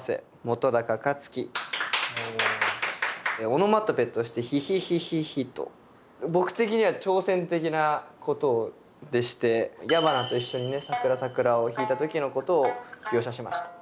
オノマトペとして「ヒヒヒヒヒ」と僕的には挑戦的なことでして矢花と一緒にね「さくらさくら」を弾いた時のことを描写しました。